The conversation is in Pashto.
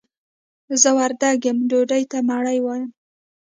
زه وردګ يم ډوډۍ ته مړۍ وايم.